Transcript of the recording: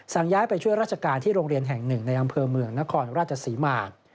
ย้ายไปช่วยราชการที่โรงเรียนแห่งหนึ่งในอำเภอเมืองนครราชศรีมา